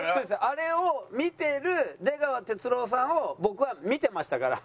あれを見てる出川哲朗さんを僕は見てましたから。